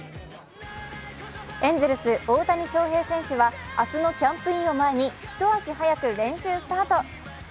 エンゼルス・大谷翔平選手は明日のキャンプインを前に一足早く練習スタート。